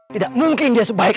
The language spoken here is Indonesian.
tidak mungkin dia sebaik